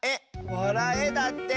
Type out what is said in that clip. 「わらえ」だって！